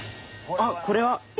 あっこれは。